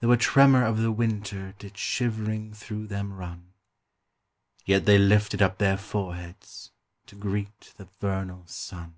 5 Though a tremor of the winter Did shivering through them run; Yet they lifted up their foreheads To greet the vernal sun.